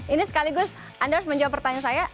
ini sekaligus anda harus menjawab pertanyaan saya